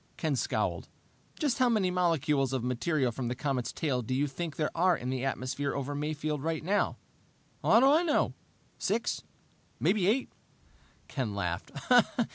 Ken scowled. "Just how many molecules of material from the comet's tail do you think there are in the atmosphere over Mayfield right now?" "How do I know? Six maybe eight." Ken laughed.